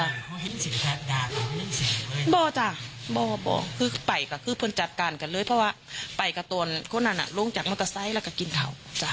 ไม่ไม่ไม่คือไปก็คือเพื่อนจัดการกันเลยเพราะว่าไปกับตัวนั้นลงจากรถไซส์แล้วก็กินเท่า